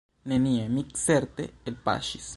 Nenie mi, certe, elpaŝis.